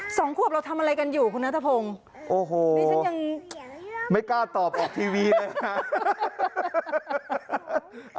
สองขวบเราทำอะไรกันอยู่คุณนัทธพงโอ้โหไม่กล้าตอบออกทีวีเลยค่ะ